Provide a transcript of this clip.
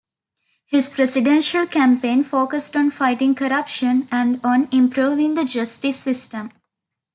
His presidential campaign focused on fighting corruption and on improving the justice system.